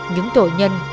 những tội nhân